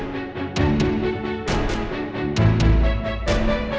kalo kemarin itu aku ke rumah kamu